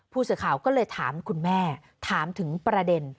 ผู้สื่อข่าวก็เลยถามคุณแม่ถามถึงประเด็น